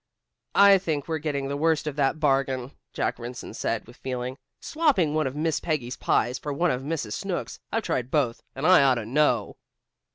"I think we're getting the worst of that bargain," Jack Rynson said with feeling. "Swapping one of Miss Peggy's pies, for one of Mrs. Snooks'. I've tried both, and I ought to know."